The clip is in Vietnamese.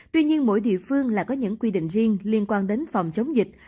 tuy nhiên mỗi địa phương lại có những quy định riêng liên quan đến phòng chống dịch